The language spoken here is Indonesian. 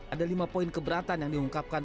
ada lima poin keberatan yang diungkapkan